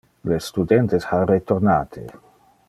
Le studentes ha retornate.